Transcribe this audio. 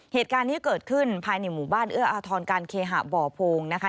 เหตุการณ์นี้เกิดขึ้นภายในหมู่บ้านเอื้ออาทรการเคหะบ่อโพงนะคะ